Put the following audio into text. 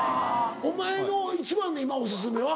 お前の一番の今お薦めは？